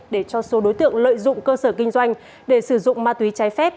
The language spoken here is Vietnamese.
để cho số đối tượng lợi dụng cơ sở kinh doanh để sử dụng ma túy trái phép